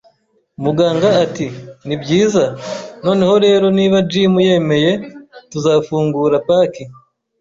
Muganga ati: "Ni byiza." “Noneho rero, niba Jim yemeye, tuzafungura paki”;